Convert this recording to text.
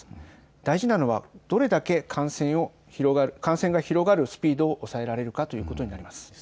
大事なのはどれだけ感染が広がるスピードを抑えられるかということになります。